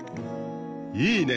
いいね。